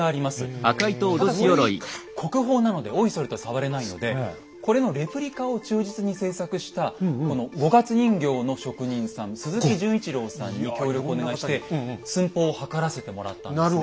ただこれ国宝なのでおいそれと触れないのでこれのレプリカを忠実に製作したこの五月人形の職人さん鈴木順一朗さんに協力をお願いして寸法を測らせてもらったんですね。